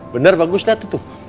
benar bagus ya tuh tuh